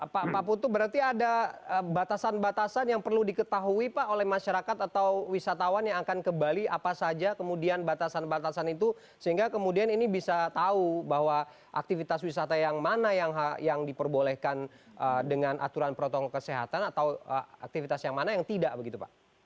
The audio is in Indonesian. pak putu berarti ada batasan batasan yang perlu diketahui pak oleh masyarakat atau wisatawan yang akan ke bali apa saja kemudian batasan batasan itu sehingga kemudian ini bisa tahu bahwa aktivitas wisata yang mana yang diperbolehkan dengan aturan protokol kesehatan atau aktivitas yang mana yang tidak begitu pak